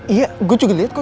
iya gue juga lihat kok